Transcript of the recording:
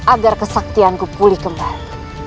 agar kesaktianku pulih kembali